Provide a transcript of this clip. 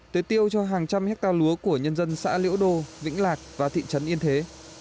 tế tiêu cho hàng trăm hectare lúa của nhân dân xã liễu đô vĩnh lạc và thị trấn yên thế